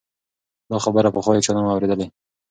دا خبره پخوا هیچا نه وه اورېدلې.